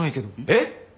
えっ！？